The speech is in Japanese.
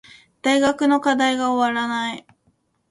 大学の課題が終わらない